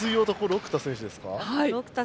六田選手ですね。